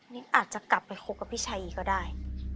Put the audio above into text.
นิดอาจจะกลับไปคบกับพี่ชัยอีกก็ได้